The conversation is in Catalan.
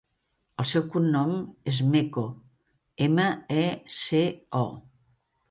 El seu cognom és Meco: ema, e, ce, o.